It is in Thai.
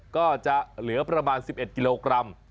ก็จะเหลือประมาณ๑๑กิโลกรัม